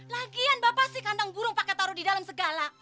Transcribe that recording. lagian bapak sih kandang burung pakai taruh di dalam segala